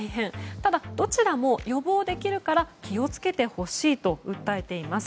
ただ、どちらも予防できるから気を付けてほしいと訴えています。